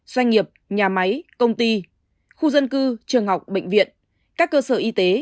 doanh nghiệp nhà máy công ty khu dân cư trường học bệnh viện các cơ sở y tế